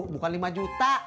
bukan lima juta